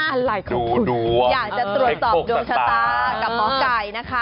อยากจะตรวจสอบดวงชะตากับหมอไก่นะคะ